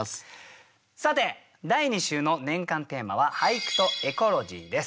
さて第２週の年間テーマは「俳句とエコロジー」です。